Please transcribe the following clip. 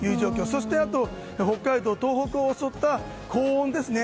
そして、あと北海道東北を襲った高温ですね。